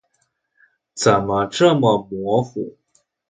怎么这么模糊？